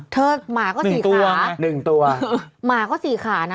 เธอหมาก็๔ขา๑ตัวมาก็๔ขาน่ะ